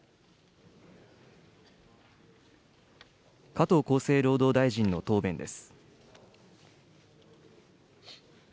加藤厚生労働大臣の答弁です。